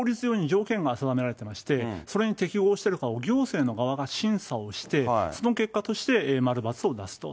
これは法律上に条件が定められていまして、それに適合してるか、行政の側が審査をして、その結果として、丸、ばつを出すと。